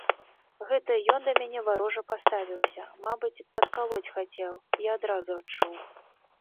Гэта ён да мяне варожа паставіўся, мабыць, падкалоць хацеў, я адразу адчуў.